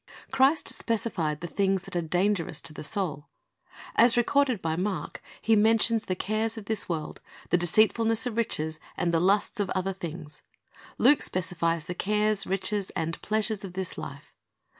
Christ specified the things that are dangerous to the soul. As recorded by Mark He mentions the cares of this world, the deceitfulness of riches, and the lusts of other things. Luke specifies the cares, riches, and pleasures of this life.